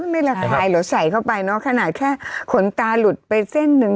ไม่ระคายเหรอใส่เข้าไปเนอะขนาดแค่ขนตาหลุดไปเส้นหนึ่ง